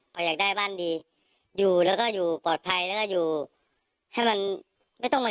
พออยากได้บ้านดีอยู่แล้วก็อยู่ปลอดภัยแล้วก็อยู่ให้มันไม่ต้องมา